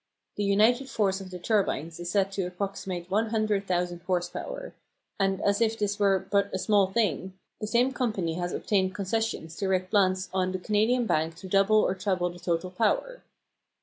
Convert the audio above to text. The united force of the turbines is said to approximate 100,000 horse power; and as if this were but a small thing, the same Company has obtained concessions to erect plant on the Canadian bank to double or treble the total power.